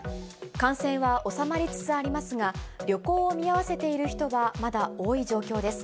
感染は収まりつつありますが、旅行を見合わせている人はまだ多い状況です。